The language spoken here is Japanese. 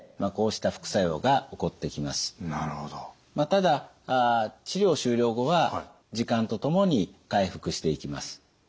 ただ治療終了後は時間とともに回復していきます。